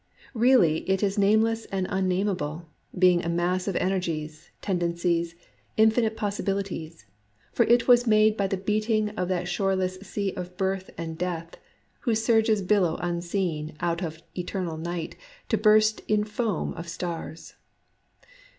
Really it is name less and unnamable, being a mass of energies, tendencies, infinite possibilities ; for it was made by the beating of that shoreless Sea of Birth and Death whose surges billow unseen out of eternal Night to burst in foam of stars.